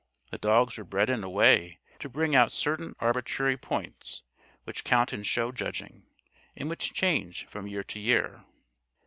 The dogs were bred in a way to bring out certain arbitrary "points" which count in show judging, and which change from year to year.